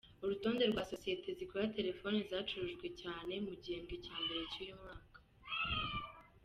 Urutonde rwa sosiyete zikora telefoni zacuruje cyane mu gihembwe cya mbere cy’uyu mwaka .